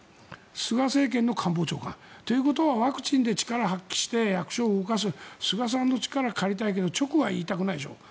菅政権の官房長官。ということはワクチンで力を発揮して役所を動かす菅さんの力を借りたいけど直には言いたくないでしょ。